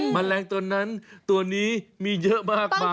แมลงตัวนั้นตัวนี้มีเยอะมากมาย